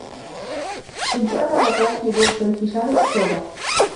كنت انا وتوم في بوسطن في شهر أكتوبر.